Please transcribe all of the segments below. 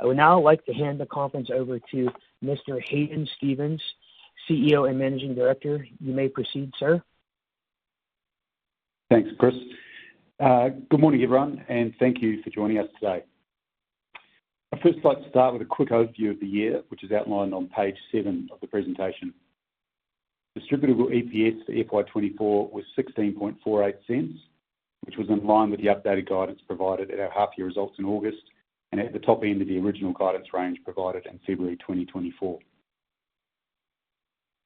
I would now like to hand the conference over to Mr. Hadyn Stephens, CEO and Managing Director. You may proceed, sir. Thanks, Chris. Good morning, everyone, and thank you for joining us today. I'd first like to start with a quick overview of the year, which is outlined on page seven of the presentation. Distributed EPS for FY 2024 was 0.1648, which was in line with the updated guidance provided at our half-year results in August and at the top end of the original guidance range provided in February 2024.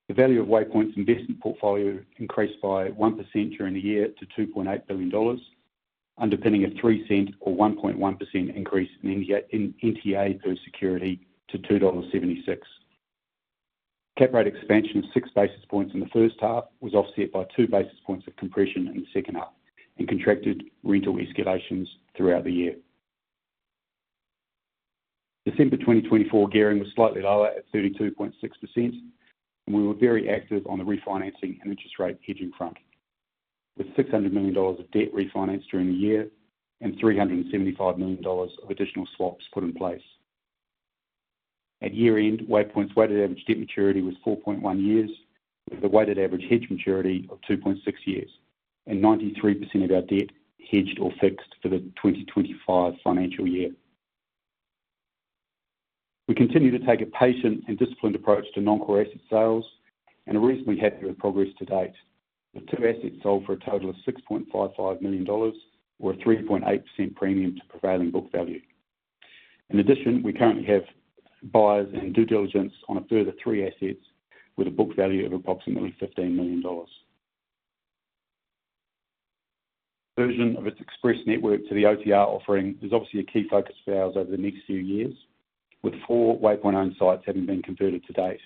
The value of Waypoint's investment portfolio increased by 1% during the year to 2.8 billion dollars, underpinning a 0.03 or 1.1% increase in NTA per security to 2.76 dollars. Cap rate expansion of six basis points in the first half was offset by two basis points of compression in the second half and contracted rental escalations throughout the year. December 2024 gearing was slightly lower at 32.6%, and we were very active on the refinancing and interest rate hedging front, with 600 million dollars of debt refinanced during the year and 375 million dollars of additional swaps put in place. At year-end, Waypoint's weighted average debt maturity was 4.1 years, with a weighted average hedge maturity of 2.6 years, and 93% of our debt hedged or fixed for the 2025 financial year. We continue to take a patient and disciplined approach to non-core asset sales, and are reasonably happy with progress to date. The two assets sold for a total of 6.55 million dollars were a 3.8% premium to prevailing book value. In addition, we currently have buyers and due diligence on a further three assets, with a book value of approximately 15 million dollars. Conversion of its express network to the OTR offering is obviously a key focus for ours over the next few years, with four Waypoint-owned sites having been converted to date.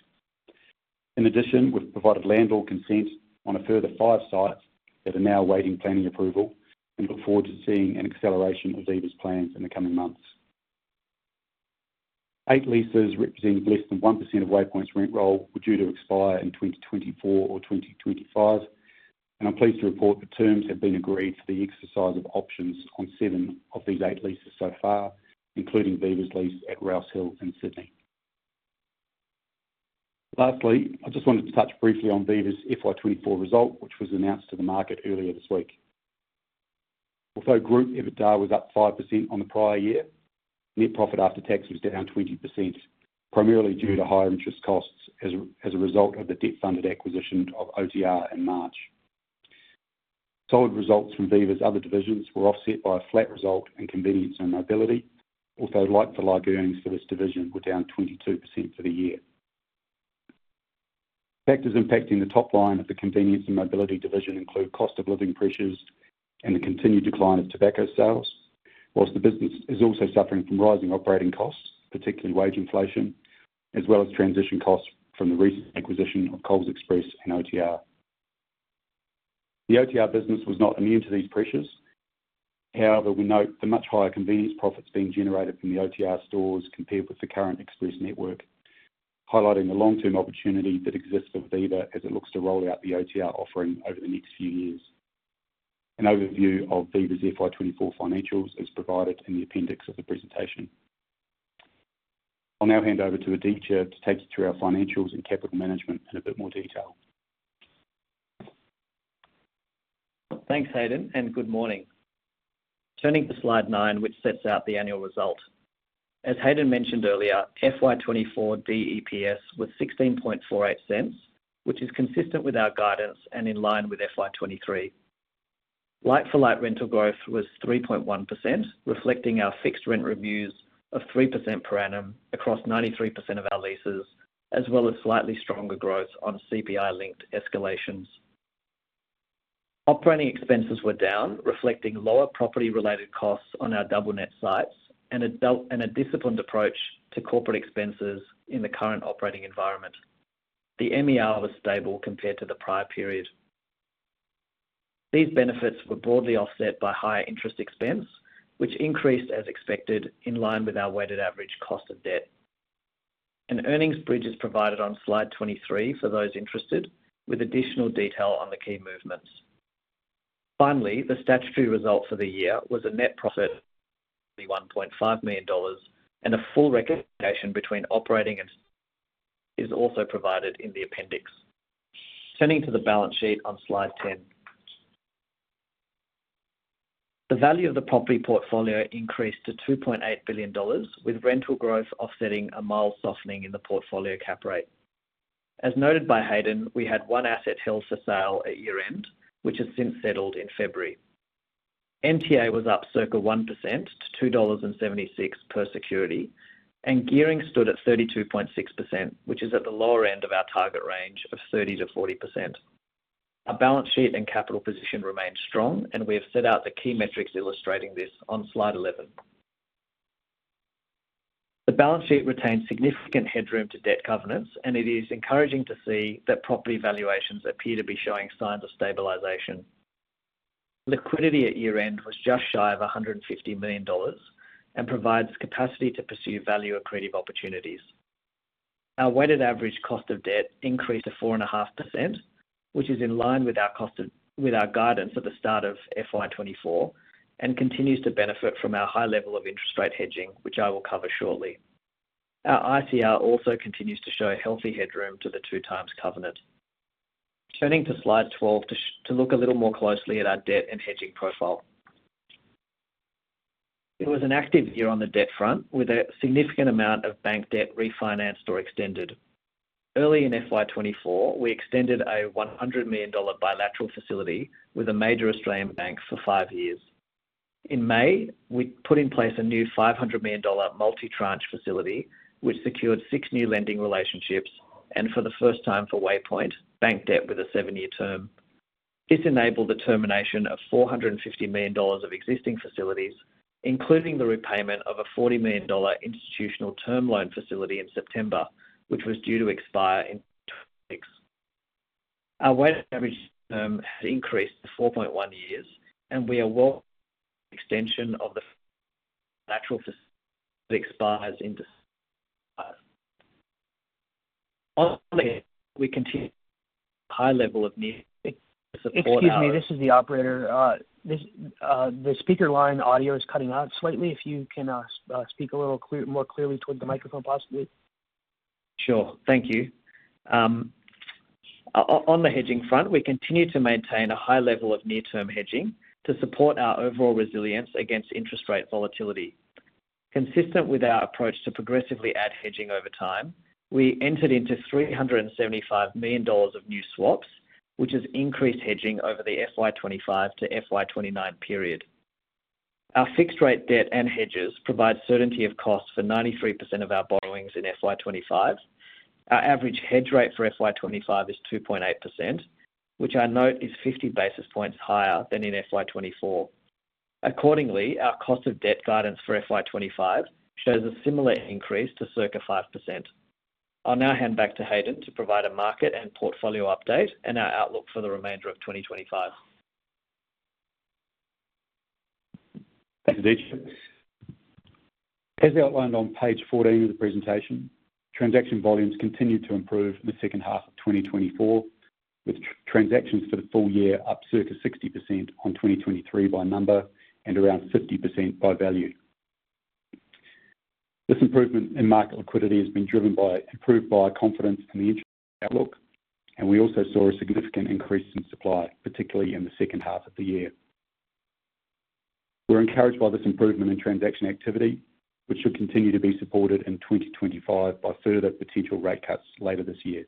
In addition, we've provided landlord consent on a further five sites that are now awaiting planning approval and look forward to seeing an acceleration of Viva's plans in the coming months. Eight leases representing less than 1% of Waypoint's rent roll were due to expire in 2024 or 2025, and I'm pleased to report that terms have been agreed for the exercise of options on seven of these eight leases so far, including Viva's lease at Rouse Hill in Sydney. Lastly, I just wanted to touch briefly on Viva's FY 2024 result, which was announced to the market earlier this week. Although Group EBITDA was up 5% on the prior year, net profit after tax was down 20%, primarily due to higher interest costs as a result of the debt-funded acquisition of OTR in March. Solid results from Viva's other divisions were offset by a flat result in convenience and mobility, although like-for-like earnings for this division were down 22% for the year. Factors impacting the top line of the convenience and mobility division include cost-of-living pressures and the continued decline of tobacco sales, whilst the business is also suffering from rising operating costs, particularly wage inflation, as well as transition costs from the recent acquisition of Coles Express and OTR. The OTR business was not immune to these pressures. However, we note the much higher convenience profits being generated from the OTR stores compared with the current express network, highlighting the long-term opportunity that exists for Viva as it looks to roll out the OTR offering over the next few years. An overview of Viva's FY 2024 financials is provided in the appendix of the presentation. I'll now hand over to Aditya to take you through our financials and capital management in a bit more detail. Thanks, Hadyn, and good morning. Turning to slide nine, which sets out the annual result. As Hadyn mentioned earlier, FY 2024 DEPS was 0.1648, which is consistent with our guidance and in line with FY 2023. Like-for-like rental growth was 3.1%, reflecting our fixed rent reviews of 3% per annum across 93% of our leases, as well as slightly stronger growth on CPI-linked escalations. Operating expenses were down, reflecting lower property-related costs on our double-net sites and a disciplined approach to corporate expenses in the current operating environment. The MER was stable compared to the prior period. These benefits were broadly offset by higher interest expense, which increased, as expected, in line with our weighted average cost of debt. An earnings bridge is provided on slide 23 for those interested, with additional detail on the key movements. Finally, the statutory result for the year was a net profit of 1.5 million dollars, and a full reconciliation between operating and statutory is also provided in the appendix. Turning to the balance sheet on slide 10, the value of the property portfolio increased to 2.8 billion dollars, with rental growth offsetting a mild softening in the portfolio cap rate. As noted by Hadyn, we had one asset held for sale at year-end, which has since settled in February. NTA was up circa 1% to 2.76 dollars per security, and gearing stood at 32.6%, which is at the lower end of our target range of 30%-40%. Our balance sheet and capital position remained strong, and we have set out the key metrics illustrating this on slide 11. The balance sheet retains significant headroom to debt covenants, and it is encouraging to see that property valuations appear to be showing signs of stabilization. Liquidity at year-end was just shy of 150 million dollars and provides capacity to pursue value-accretive opportunities. Our weighted average cost of debt increased to 4.5%, which is in line with our guidance at the start of FY 2024 and continues to benefit from our high level of interest rate hedging, which I will cover shortly. Our ICR also continues to show healthy headroom to the two-times covenant. Turning to slide 12 to look a little more closely at our debt and hedging profile, it was an active year on the debt front, with a significant amount of bank debt refinanced or extended. Early in FY 2024, we extended a 100 million dollar bilateral facility with a major Australian bank for five years. In May, we put in place a new 500 million dollar multi-tranche facility, which secured six new lending relationships and, for the first time for Waypoint, bank debt with a seven-year term. This enabled the termination of 450 million dollars of existing facilities, including the repayment of a 40 million dollar institutional term loan facility in September, which was due to expire in two weeks. Our weighted average term had increased to 4.1 years, and we are well ahead of the extension of the bilateral facility that expires in December. Finally, we continue to have a high level of need to support our. Excuse me, this is the operator. The speaker line audio is cutting out slightly. If you can speak a little more clearly toward the microphone, possibly. Sure. Thank you. On the hedging front, we continue to maintain a high level of near-term hedging to support our overall resilience against interest rate volatility. Consistent with our approach to progressively add hedging over time, we entered into 375 million dollars of new swaps, which has increased hedging over the FY 2025 to FY 2029 period. Our fixed-rate debt and hedges provide certainty of cost for 93% of our borrowings in FY 2025. Our average hedge rate for FY 2025 is 2.8%, which I note is 50 basis points higher than in FY 2024. Accordingly, our cost of debt guidance for FY 2025 shows a similar increase to circa 5%. I'll now hand back to Hadyn to provide a market and portfolio update and our outlook for the remainder of 2025. Thanks, Aditya. As outlined on page 14 of the presentation, transaction volumes continued to improve in the second half of 2024, with transactions for the full year up circa 60% on 2023 by number and around 50% by value. This improvement in market liquidity has been improved by confidence in the interest rate outlook, and we also saw a significant increase in supply, particularly in the second half of the year. We're encouraged by this improvement in transaction activity, which should continue to be supported in 2025 by further potential rate cuts later this year.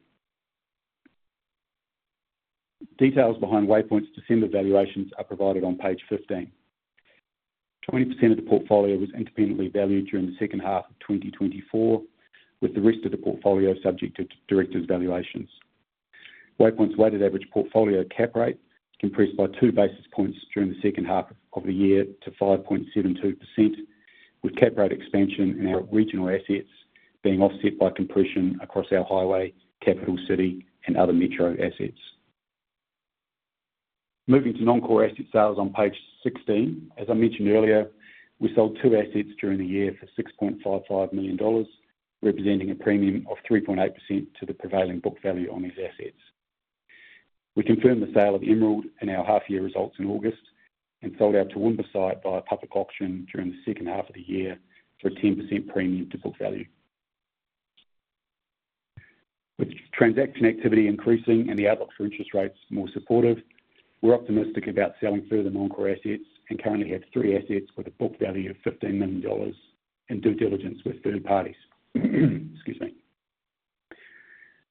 Details behind Waypoint's December valuations are provided on page 15. 20% of the portfolio was independently valued during the second half of 2024, with the rest of the portfolio subject to directors' valuations. Waypoint's weighted average portfolio cap rate compressed by two basis points during the second half of the year to 5.72%, with cap rate expansion in our regional assets being offset by compression across our highway, capital city, and other metro assets. Moving to non-core asset sales on page 16, as I mentioned earlier, we sold two assets during the year for 6.55 million dollars, representing a premium of 3.8% to the prevailing book value on these assets. We confirmed the sale of Emerald in our half-year results in August and sold the Toowoomba site by a public auction during the second half of the year for a 10% premium to book value. With transaction activity increasing and the outlook for interest rates more supportive, we're optimistic about selling further non-core assets and currently have three assets with a book value of 15 million dollars in due diligence with third parties.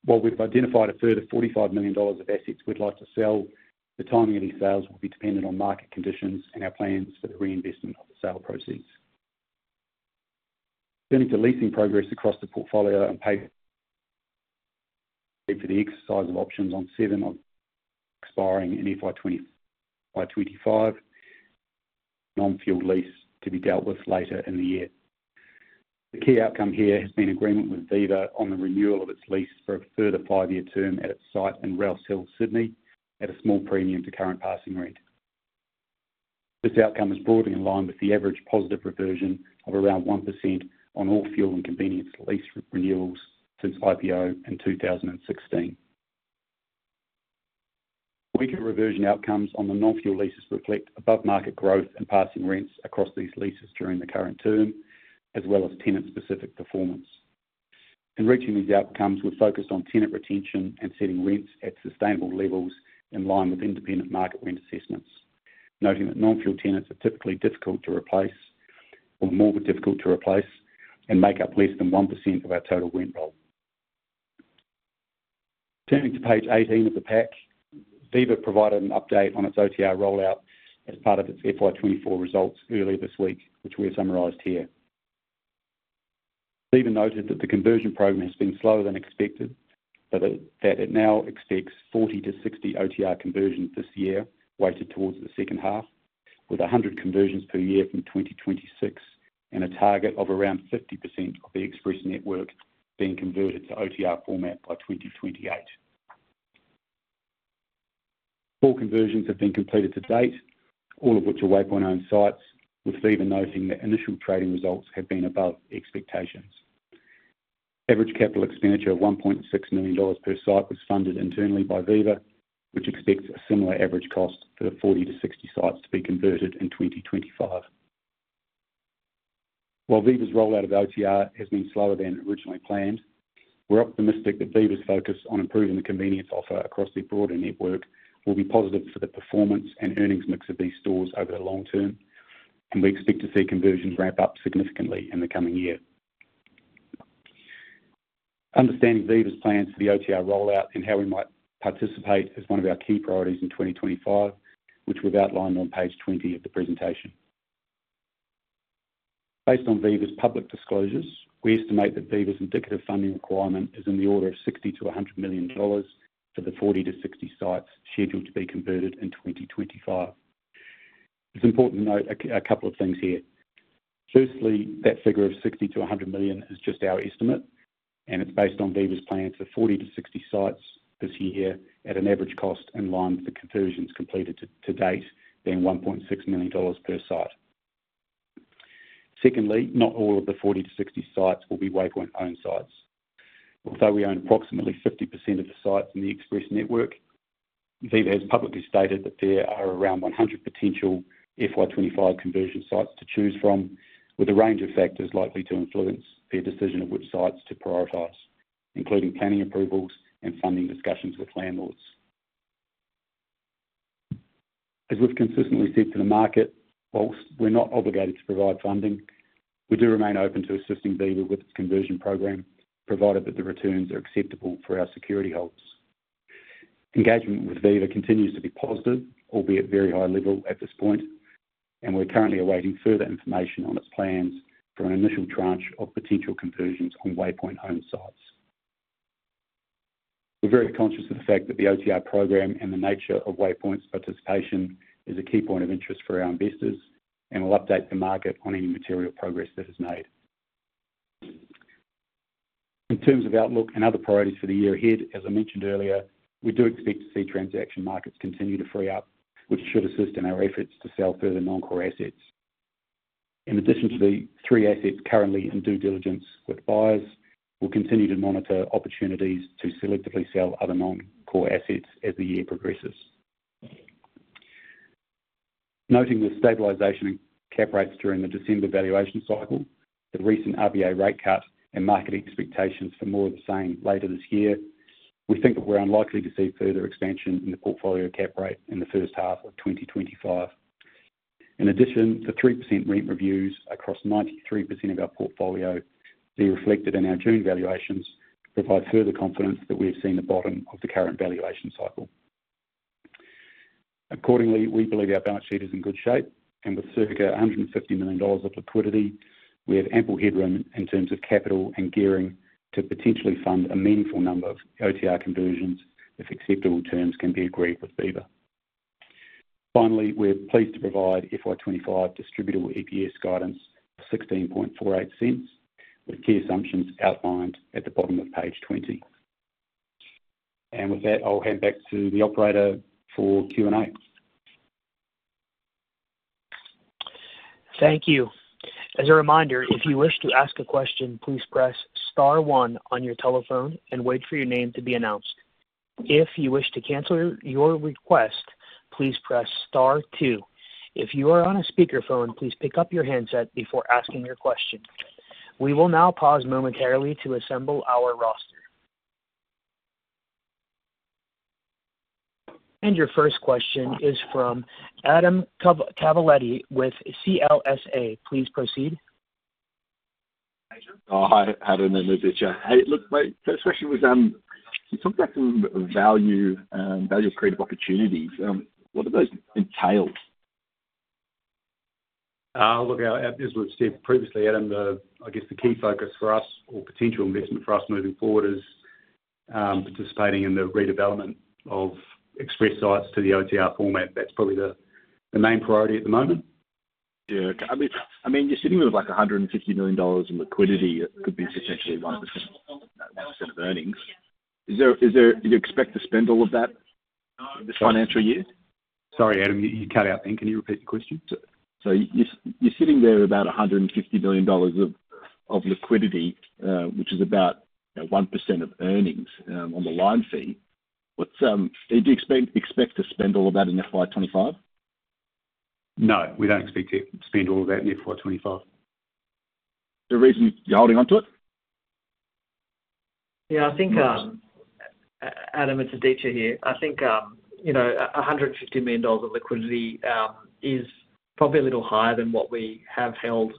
While we've identified a further 45 million dollars of assets we'd like to sell, the timing of these sales will be dependent on market conditions and our plans for the reinvestment of the sale proceeds. Turning to leasing progress across the portfolio, and plan for the exercise of options on seven of the expiring in FY 2025, non-fuel lease to be dealt with later in the year. The key outcome here has been agreement with Viva on the renewal of its lease for a further five-year term at its site in Rouse Hill, Sydney, at a small premium to current passing rent. This outcome is broadly in line with the average positive reversion of around 1% on all fuel and convenience lease renewals since IPO in 2016. Weaker reversion outcomes on the non-fuel leases reflect above-market growth and passing rents across these leases during the current term, as well as tenant-specific performance. In reaching these outcomes, we focused on tenant retention and setting rents at sustainable levels in line with independent market rent assessments, noting that non-fuel tenants are typically difficult to replace or more difficult to replace and make up less than 1% of our total rent roll. Turning to page 18 of the pack, Viva provided an update on its OTR rollout as part of its FY 2024 results earlier this week, which we have summarized here. Viva noted that the conversion program has been slower than expected, but that it now expects 40-60 OTR conversions this year weighted towards the second half, with 100 conversions per year from 2026 and a target of around 50% of the express network being converted to OTR format by 2028. Four conversions have been completed to date, all of which are Waypoint-owned sites, with Viva noting that initial trading results have been above expectations. Average capital expenditure of 1.6 million dollars per site was funded internally by Viva, which expects a similar average cost for the 40-60 sites to be converted in 2025. While Viva's rollout of OTR has been slower than originally planned, we're optimistic that Viva's focus on improving the convenience offer across the broader network will be positive for the performance and earnings mix of these stores over the long term, and we expect to see conversions ramp up significantly in the coming year. Understanding Viva's plans for the OTR rollout and how we might participate is one of our key priorities in 2025, which we've outlined on page 20 of the presentation. Based on Viva's public disclosures, we estimate t millionhat Viva's indicative funding requirement is in the order of 60-100 million dollars for the 40-60 sites scheduled to be converted in 2025. It's important to note a couple of things here. Firstly, that figure of 60 million-100 million is just our estimate, and it's based on Viva's plans for 40-60 sites this year at an average cost in line with the conversions completed to date, being 1.6 million dollars per site. Secondly, not all of the 40-60 sites will be Waypoint-owned sites. Although we own approximately 50% of the sites in the express network, Viva has publicly stated that there are around 100 potential FY 2025 conversion sites to choose from, with a range of factors likely to influence their decision of which sites to prioritize, including planning approvals and funding discussions with landlords. As we've consistently said to the market, while we're not obligated to provide funding, we do remain open to assisting Viva with its conversion program, provided that the returns are acceptable for our securityholders. Engagement with Viva continues to be positive, albeit very high level at this point, and we're currently awaiting further information on its plans for an initial tranche of potential conversions on Waypoint-owned sites. We're very conscious of the fact that the OTR program and the nature of Waypoint's participation is a key point of interest for our investors, and we'll update the market on any material progress that is made. In terms of outlook and other priorities for the year ahead, as I mentioned earlier, we do expect to see transaction markets continue to free up, which should assist in our efforts to sell further non-core assets. In addition to the three assets currently in due diligence with buyers, we'll continue to monitor opportunities to selectively sell other non-core assets as the year progresses. Noting the stabilization in cap rates during the December valuation cycle, the recent RBA rate cut, and market expectations for more of the same later this year, we think that we're unlikely to see further expansion in the portfolio cap rate in the first half of 2025. In addition, the 3% rent reviews across 93% of our portfolio will be reflected in our June valuations to provide further confidence that we have seen the bottom of the current valuation cycle. Accordingly, we believe our balance sheet is in good shape, and with circa 150 million dollars of liquidity, we have ample headroom in terms of capital and gearing to potentially fund a meaningful number of OTR conversions if acceptable terms can be agreed with Viva. Finally, we're pleased to provide FY 2025 distributable EPS guidance of 16.48, with key assumptions outlined at the bottom of page 20. With that, I'll hand back to the operator for Q&A. Thank you. As a reminder, if you wish to ask a question, please press star one on your telephone and wait for your name to be announced. If you wish to cancel your request, please press star two. If you are on a speakerphone, please pick up your handset before asking your question. We will now pause momentarily to assemble our roster. Your first question is from Adam Calvetti with CLSA. Please proceed. Hi, Hadyn and Aditya. First question was, you talked about some value of creative opportunities. What do those entail? Look, as we've said previously, Adam, I guess the key focus for us, or potential investment for us moving forward, is participating in the redevelopment of express sites to the OTR format. That's probably the main priority at the moment. Yeah. I mean, you're sitting with like 150 million dollars in liquidity. It could be potentially 1% of earnings. Do you expect to spend all of that this financial year? Sorry, Adam, you cut out then. Can you repeat the question? So you're sitting there with about 150 million dollars of liquidity, which is about 1% of earnings on the line fee. Do you expect to spend all of that in FY 2025? No, we don't expect to spend all of that in FY 2025. The reason you're holding on to it? Yeah, Adam, it's Aditya here. I think 150 million dollars of liquidity is probably a little higher than what we have held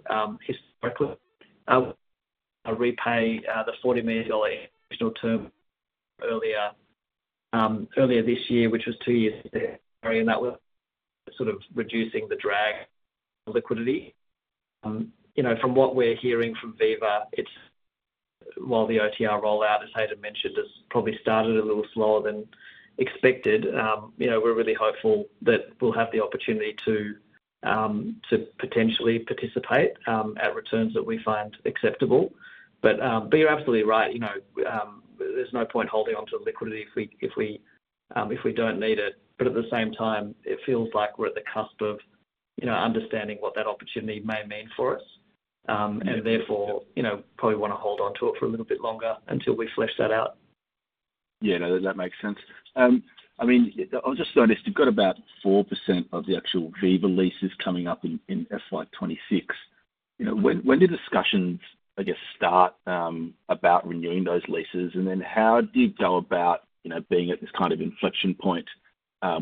historically. We're going to repay the 40 million dollar additional term earlier this year, which was two years ago, and that was sort of reducing the drag of liquidity. From what we're hearing from Viva, while the OTR rollout, as Adam mentioned, has probably started a little slower than expected, we're really hopeful that we'll have the opportunity to potentially participate at returns that we find acceptable. But you're absolutely right. There's no point holding on to liquidity if we don't need it. But at the same time, it feels like we're at the cusp of understanding what that opportunity may mean for us, and therefore probably want to hold on to it for a little bit longer until we flesh that out. Yeah, that makes sense. I mean, I've just noticed you've got about 4% of the actual Viva leases coming up in FY 2026. When did discussions, I guess, start about renewing those leases? And then how do you go about being at this kind of inflection point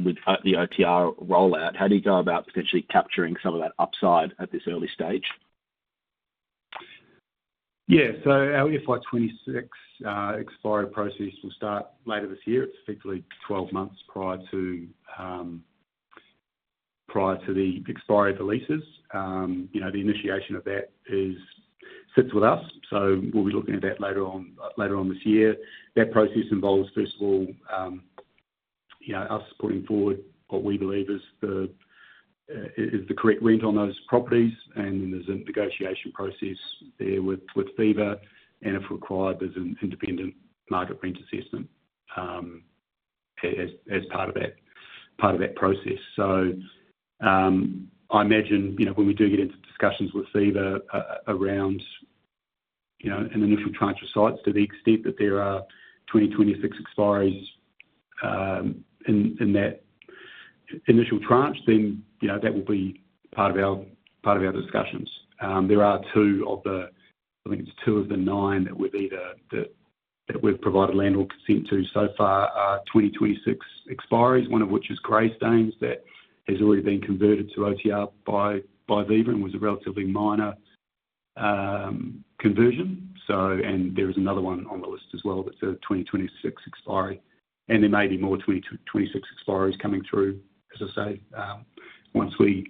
with the OTR rollout? How do you go about potentially capturing some of that upside at this early stage? Yeah. So our FY 2026 expiry process will start later this year. It's effectively 12 months prior to the expiry of the leases. The initiation of that sits with us, so we'll be looking at that later on this year. That process involves, first of all, us putting forward what we believe is the correct rent on those properties, and then there's a negotiation process there with Viva, and if required, there's an independent market rent assessment as part of that process. So I imagine when we do get into discussions with Viva around an initial tranche of sites to the extent that there are 2026 expiries in that initial tranche, then that will be part of our discussions. There are two of the, I think it's two of the nine that we've provided landlord consent to so far, 2026 expiries, one of which is Greystanes that has already been converted to OTR by Viva and was a relatively minor conversion. And there is another one on the list as well that's a 2026 expiry. And there may be more 2026 expiries coming through, as I say, once we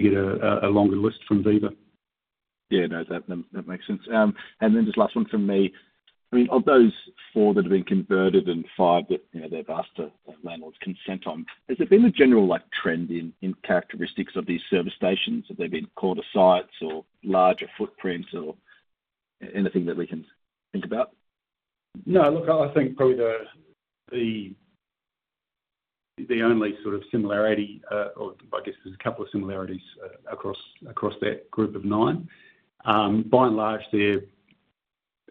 get a longer list from Viva. Yeah, no, that makes sense. And then just last one from me. I mean, of those four that have been converted and five that they've asked the landlord's consent on, has there been a general trend in characteristics of these service stations? Have they been core to sites or larger footprints or anything that we can think about? No, look, I think probably the only sort of similarity, or I guess there's a couple of similarities across that group of nine. By and large, their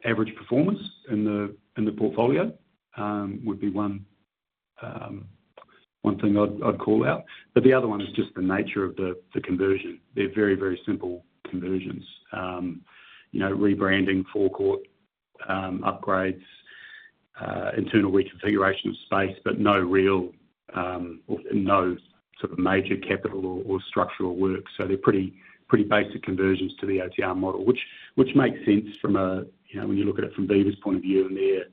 average performance in the portfolio would be one thing I'd call out. But the other one is just the nature of the conversion. They're very, very simple conversions: rebranding, forecourt upgrades, internal reconfiguration of space, but no real or no sort of major capital or structural work. So they're pretty basic conversions to the OTR model, which makes sense from a, when you look at it, from Viva's point of view, and their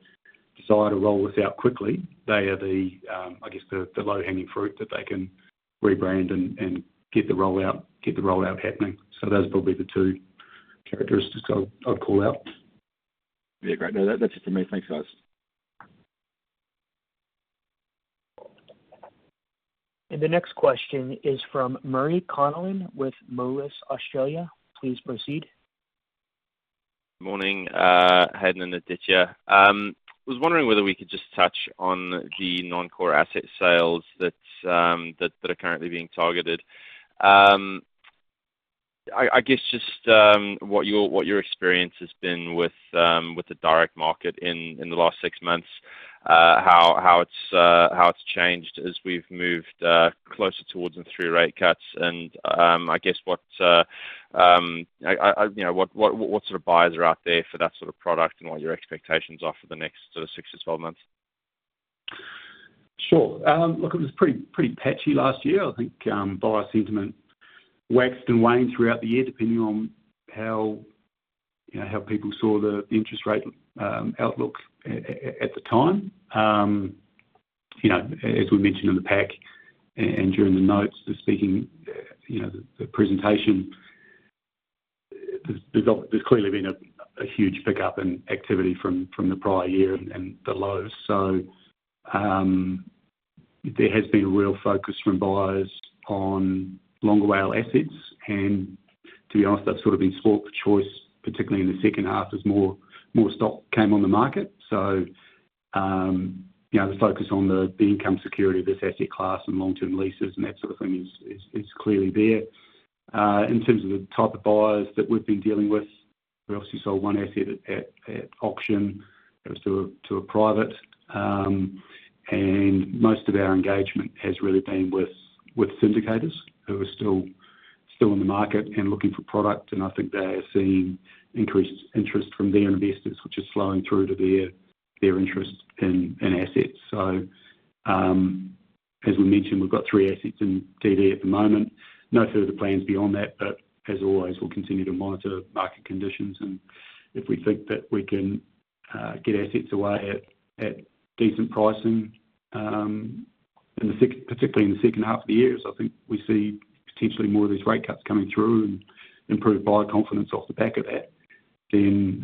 desire to roll this out quickly. They are, I guess, the low-hanging fruit that they can rebrand and get the rollout happening. So those would be the two characteristics I'd call out. Yeah, great. No, that's it for me. Thanks, guys. The next question is from Murray Connellan with Moelis Australia. Please proceed. Morning, Hadyn and Aditya. I was wondering whether we could just touch on the non-core asset sales that are currently being targeted. I guess just what your experience has been with the direct market in the last six months, how it's changed as we've moved closer towards the three rate cuts, and I guess what sort of buyers are out there for that sort of product and what your expectations are for the next sort of 6 months-12 months. Sure. Look, it was pretty patchy last year. I think buyer sentiment waxed and waned throughout the year depending on how people saw the interest rate outlook at the time. As we mentioned in the pack and during the notes of speaking the presentation, there's clearly been a huge pickup in activity from the prior year and the lows. So there has been a real focus from buyers on longer-WALE assets. And to be honest, that's sort of been spoiled for choice, particularly in the second half as more stock came on the market. So the focus on the income security of this asset class and long-term leases and that sort of thing is clearly there. In terms of the type of buyers that we've been dealing with, we obviously sold one asset at auction to a private. Most of our engagement has really been with syndicators who are still in the market and looking for product. I think they are seeing increased interest from their investors, which is flowing through to their interest in assets. As we mentioned, we've got three assets in DD at the moment. No further plans beyond that, but as always, we'll continue to monitor market conditions. If we think that we can get assets away at decent pricing, particularly in the second half of the year, as I think we see potentially more of these rate cuts coming through and improved buyer confidence off the back of that, then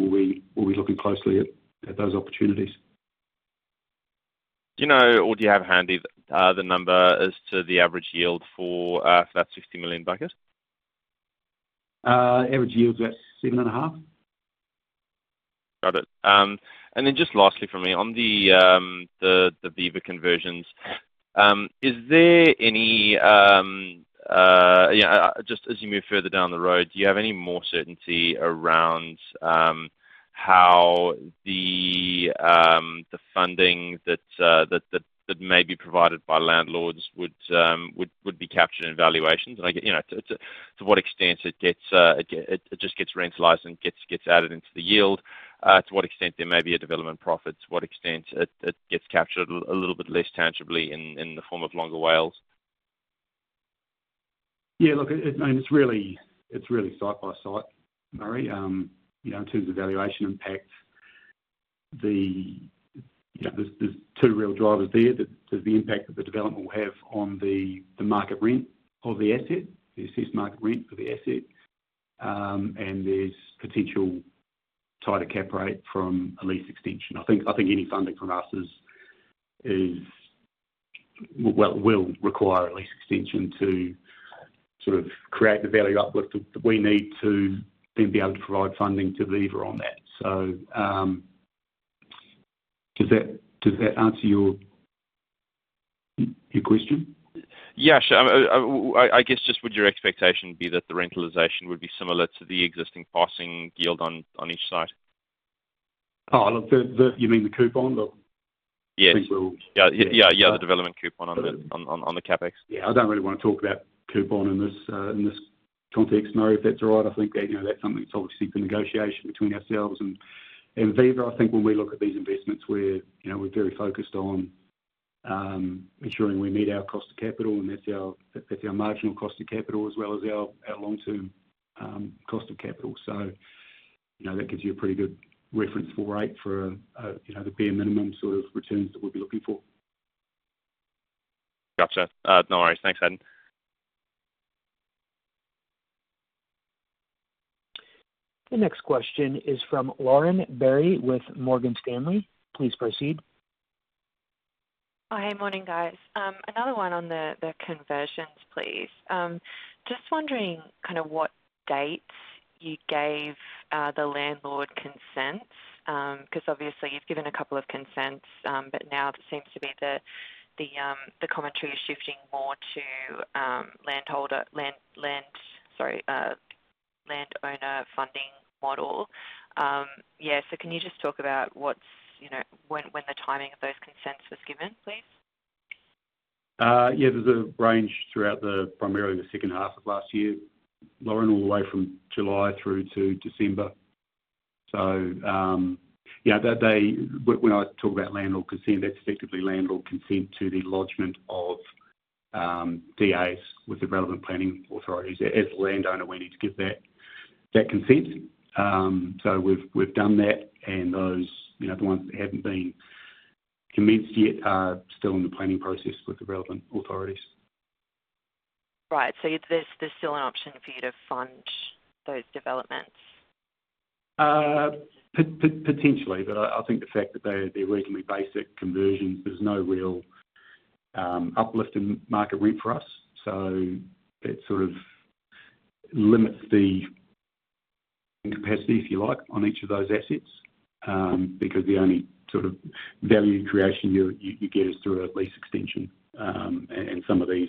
we'll be looking closely at those opportunities. Do you know, or do you have handy the number as to the average yield for that 60 million bucket? Average yield's about 7.5. Got it. And then just lastly for me, on the Viva conversions, is there any just as you move further down the road, do you have any more certainty around how the funding that may be provided by landlords would be captured in valuations? To what extent it just gets rentalized and gets added into the yield? To what extent there may be a development profit? To what extent it gets captured a little bit less tangibly in the form of longer WALEs? Yeah, look, I mean, it's really site by site, Murray. In terms of valuation impact, there's two real drivers there. There's the impact that the development will have on the market rent of the asset, the assessed market rent for the asset, and there's potential tighter cap rate from a lease extension. I think any funding from us will require a lease extension to sort of create the value uplift that we need to then be able to provide funding to Viva on that. So does that answer your question? Yeah, sure. I guess just would your expectation be that the rentalization would be similar to the existing pricing yield on each site? Oh, you mean the coupon that we will? Yeah, yeah, yeah, the development coupon on the CapEx. Yeah, I don't really want to talk about coupon in this context, Murray, if that's all right. I think that's something that's obviously been negotiated between ourselves and Viva. I think when we look at these investments, we're very focused on ensuring we meet our cost of capital, and that's our marginal cost of capital as well as our long-term cost of capital. So that gives you a pretty good reference for rate for the bare minimum sort of returns that we'll be looking for. Gotcha. No worries. Thanks, Adam. The next question is from Lauren Berry with Morgan Stanley. Please proceed. Hi, morning, guys. Another one on the conversions, please. Just wondering kind of what dates you gave the landlord consent because obviously you've given a couple of consents, but now it seems to be that the commentary is shifting more to landowner funding model. Yeah, so can you just talk about when the timing of those consents was given, please? Yeah, there's a range throughout primarily the second half of last year, Lauren, all the way from July through to December. So when I talk about landlord consent, that's effectively landlord consent to the lodgment of DAs with the relevant planning authorities. As a landowner, we need to give that consent. So we've done that, and the ones that haven't been convinced yet are still in the planning process with the relevant authorities. Right. So there's still an option for you to fund those developments? Potentially, but I think the fact that they're reasonably basic conversions, there's no real uplift in market rent for us. So that sort of limits the capacity, if you like, on each of those assets because the only sort of value creation you get is through a lease extension, and some of these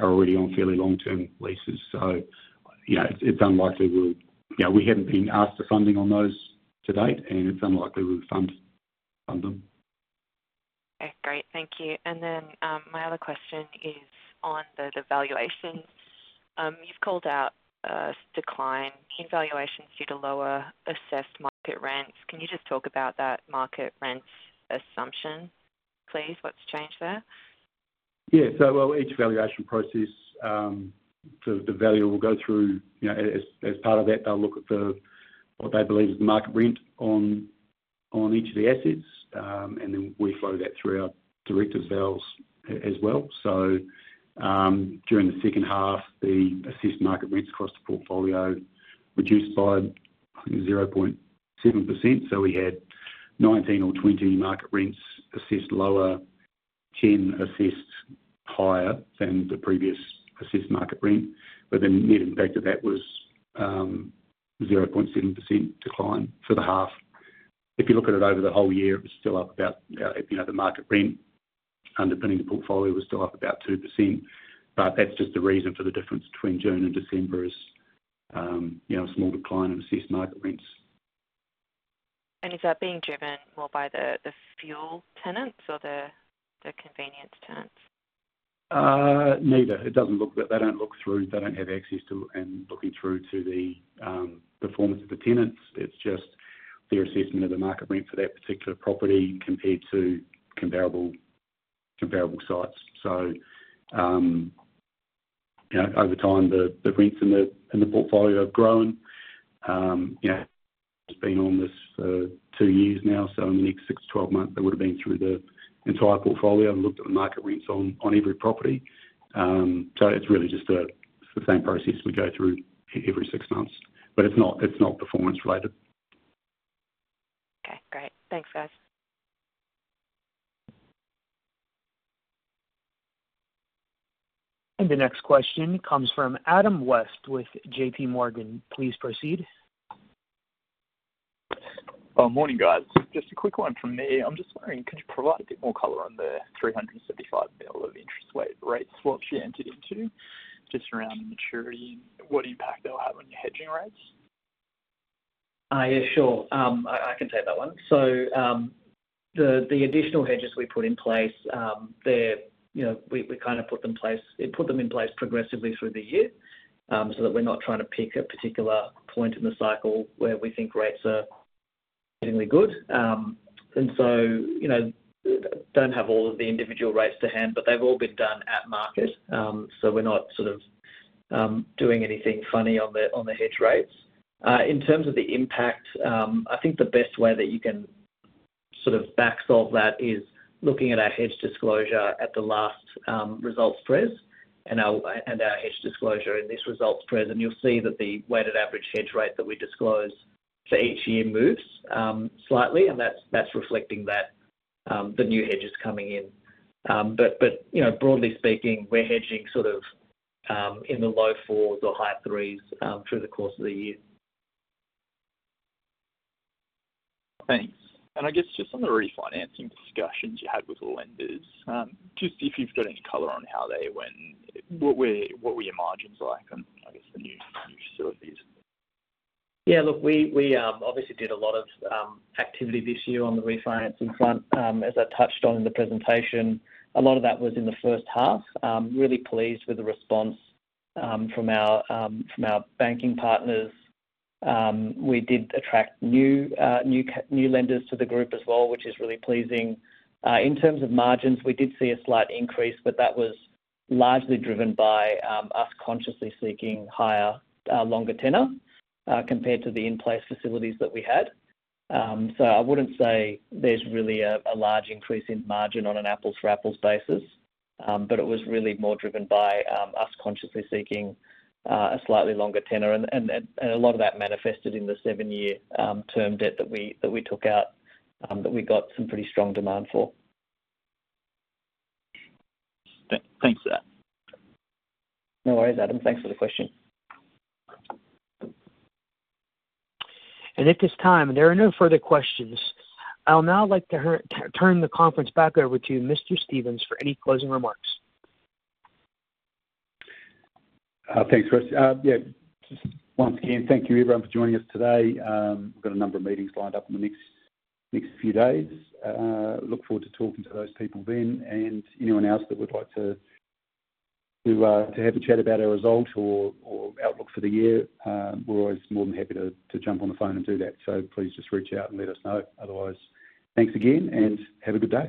are already on fairly long-term leases. So it's unlikely we haven't been asked for funding on those to date, and it's unlikely we'll fund them. Okay, great. Thank you. And then my other question is on the valuations. You've called out a decline in valuations due to lower assessed market rents. Can you just talk about that market rents assumption, please? What's changed there? Yeah. So each valuation process, the valuers will go through. As part of that, they'll look at what they believe is the market rent on each of the assets, and then we flow that through our valuation models as well. So during the second half, the assessed market rents across the portfolio reduced by, I think, 0.7%. So we had 19 or 20 market rents assessed lower, 10 assessed higher than the previous assessed market rent. But the net impact of that was 0.7% decline for the half. If you look at it over the whole year, it was still up about 2%. The market rent underpinning the portfolio was still up about 2%. But that's just the reason for the difference between June and December is a small decline in assessed market rents. Is that being driven more by the fuel tenants or the convenience tenants? Neither. It doesn't look like they don't look through. They don't have access to and looking through to the performance of the tenants. It's just their assessment of the market rent for that particular property compared to comparable sites, so over time, the rents in the portfolio have grown. It's been on this for two years now, so in the next 6 months-2 months, it would have been through the entire portfolio and looked at the market rents on every property, so it's really just the same process we go through every six months, but it's not performance-related. Okay, great. Thanks, guys. The next question comes from Adam West with JPMorgan. Please proceed. Morning, guys. Just a quick one from me. I'm just wondering, could you provide a bit more color on the 375 million of interest rate swaps you entered into, just around the maturity and what impact they'll have on your hedging rates? Yeah, sure. I can take that one. So the additional hedges we put in place, we kind of put them in place progressively through the year so that we're not trying to pick a particular point in the cycle where we think rates are getting good. And so I don't have all of the individual rates to hand, but they've all been done at market. So we're not sort of doing anything funny on the hedge rates. In terms of the impact, I think the best way that you can sort of backsolve that is looking at our hedge disclosure at the last results release and our hedge disclosure in this results release. And you'll see that the weighted average hedge rate that we disclose for each year moves slightly, and that's reflecting that the new hedges coming in. But broadly speaking, we're hedging sort of in the low fours or high threes through the course of the year. Thanks. And I guess just on the refinancing discussions you had with lenders, just if you've got any color on how they went, what were your margins like on, I guess, the new facilities? Yeah, look, we obviously did a lot of activity this year on the refinancing front. As I touched on in the presentation, a lot of that was in the first half. Really pleased with the response from our banking partners. We did attract new lenders to the group as well, which is really pleasing. In terms of margins, we did see a slight increase, but that was largely driven by us consciously seeking higher longer tenor compared to the in-place facilities that we had, so I wouldn't say there's really a large increase in margin on an apples-for-apples basis, but it was really more driven by us consciously seeking a slightly longer tenor, and a lot of that manifested in the seven-year term debt that we took out that we got some pretty strong demand for. Thanks for that. No worries, Adam. Thanks for the question. At this time, there are no further questions. I'll now like to turn the conference back over to Mr. Stephens for any closing remarks. Thanks, Chris. Yeah, just once again, thank you, everyone, for joining us today. We've got a number of meetings lined up in the next few days. Look forward to talking to those people then. And anyone else that would like to have a chat about our result or outlook for the year, we're always more than happy to jump on the phone and do that. So please just reach out and let us know. Otherwise, thanks again and have a good day.